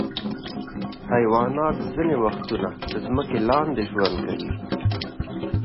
حیوانات ځینې وختونه د ځمکې لاندې ژوند کوي.